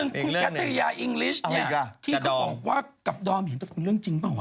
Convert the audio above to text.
เรื่องหนึ่งคุณแกทรียาอิงกลิ๊ชเนี่ยที่เขาบอกว่ากับดอมเห็นตัวคุณเรื่องจริงหรือเปล่าวะ